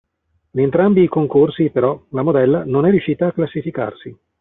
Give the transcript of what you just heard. In entrambi i concorsi però la modella non è riuscita a classificarsi.